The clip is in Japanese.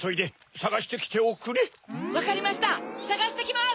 さがしてきます！